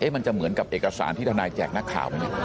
มันจะเหมือนกับเอกสารที่ทนายแจกนักข่าวไหม